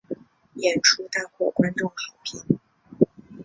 演出大获观众好评。